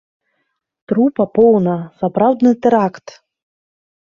Трупа поўна, сапраўдны тэракт!